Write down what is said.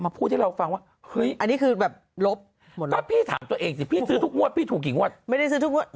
มาพูดให้เราฟังว่าอันนี้คือแบบลบตัวเองสิพี่ถูกไม่ได้